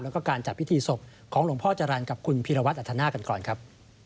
แล้วก็การจัดพิธีศพของหลวงพ่อจรรย์กับคุณพีรวัตรอัธนากันก่อนครับ